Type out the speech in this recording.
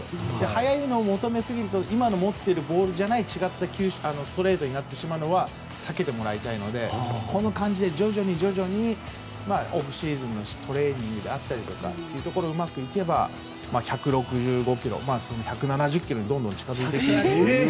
速いのを求めすぎると今の持っているボールじゃない違ったストレートになるのは避けてもらいたいのでこの感じで徐々にオフシーズンのトレーニングだったりがうまくいけば、１６５キロとか１７０キロにどんどん近づくかなと。